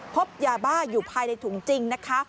พบยาบ้าอยู่ภายในถุงจริงนะคะ